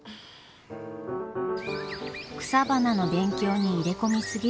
草花の勉強に入れ込み過ぎる万太郎。